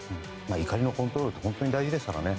怒りのコントロールって本当に大事ですからね。